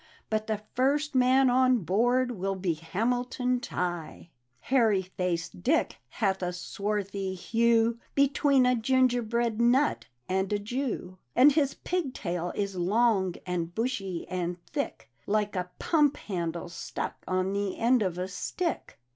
But the first man on board will be Hamilton Tighe! " Hairy faced Dick hath a swarthy hue, Between a gingerbread nut and a Jew, And his pigtail is long, and bushy, and thick. Like a pump handle stuck on the end of a stick.